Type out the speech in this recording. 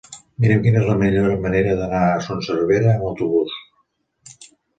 Mira'm quina és la millor manera d'anar a Son Servera amb autobús.